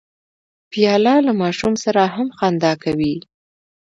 پیاله له ماشوم سره هم خندا کوي.